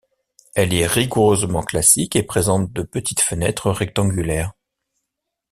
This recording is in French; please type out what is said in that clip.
Elle est rigoureusement classique et présente de petites fenêtres rectangulaires.